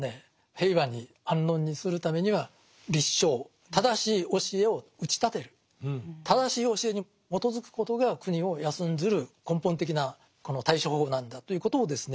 平和に安穏にするためには「立正」正しい教えを打ち立てる正しい教えに基づくことが国を安んずる根本的なこの対処方法なんだということをですね